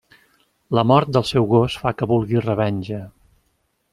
La mort del seu gos fa que vulgui revenja.